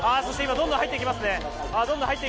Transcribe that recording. どんどん入っていきます。